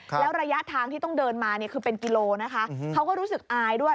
แล้วระยะทางที่ต้องเดินมาเนี่ยคือเป็นกิโลนะคะเขาก็รู้สึกอายด้วย